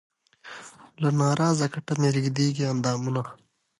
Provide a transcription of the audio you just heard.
له نا رضا کټه مې رېږدي اندامونه